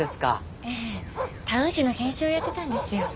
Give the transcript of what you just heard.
ええタウン誌の編集をやってたんですよ